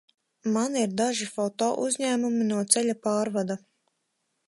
Man ir daži fotouzņēmumi no ceļa pārvada.